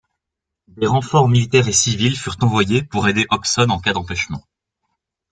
Des renforts militaires et civils furent envoyés pour aider Hobson en cas d'empêchement.